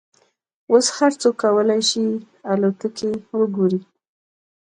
اوس هر څوک کولای شي الوتکې وګوري.